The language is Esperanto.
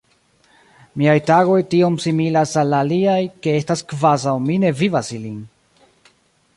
Miaj tagoj tiom similas al la aliaj, ke estas kvazaŭ mi ne vivas ilin.